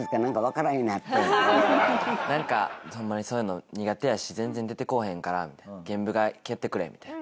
なんかホンマにそういうの苦手やし全然出てこうへんからみたいなゲンブが蹴ってくれみたいな。